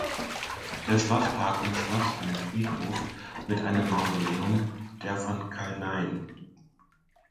Der Schlosspark umschloss einen Friedhof mit einem Mausoleum der von Kalnein.